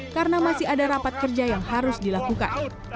karena masih ada rapat kerja yang harus dilakukan